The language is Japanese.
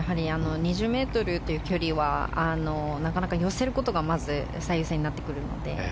２０ｍという距離は寄せることが最優先になってくるので。